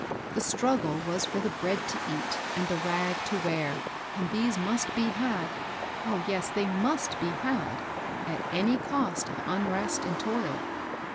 The struggle was £>r the bread to eat and the rag to wear, and these must be had — oh, yes ! they muBt be had — at any cost of unrest and toil.